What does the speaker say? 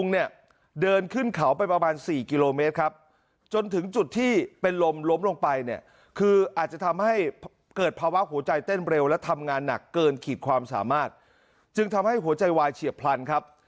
ซึ่งทำงานหนักเกินขีดความสามารถจึงทำให้หัวใจวายเฉียบพลันครับ